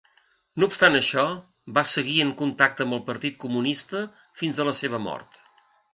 No obstant això, va seguir en contacte amb el partit comunista fins a la seva mort.